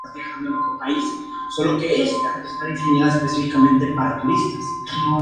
Asimismo, impulsó nuevas ideas culturales, publicó traducciones de novelas francesas e inglesas, y antologías.